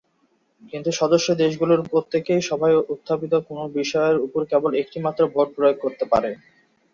কিন্তু সদস্য দেশগুলোর প্রত্যেকেই সভায় উত্থাপিত কোন বিষয়ের উপর কেবল একটিমাত্র ভোট প্রয়োগ করতে পারে।